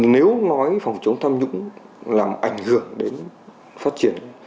nếu nói phòng chống tham nhũng làm ảnh hưởng đến phát triển